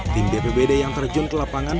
tim bpbd yang terjun ke lapangan